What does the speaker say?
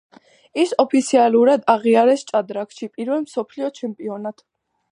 ის ოფიციალურად აღიარეს ჭადრაკში პირველ მსოფლიო ჩემპიონად.